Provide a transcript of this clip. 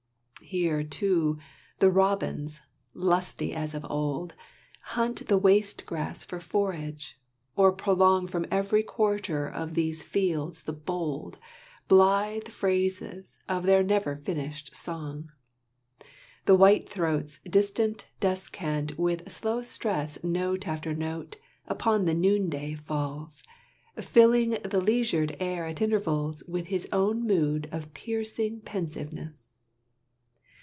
Here, too, the robins, lusty as of old, Hunt the waste grass for forage, or prolong From every quarter of these fields the bold, Blithe phrases of their never finished song. The white throat's distant descant with slow stress Note after note upon the noonday falls, Filling the leisured air at intervals With his own mood of piercing pensiveness.